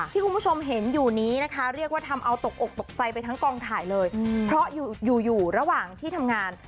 คุณผู้ชมเห็นอยู่นี้นะคะเรียกว่าทำเอาตกอกตกใจไปทั้งกองถ่ายเลยเพราะอยู่อยู่ระหว่างที่ทำงาน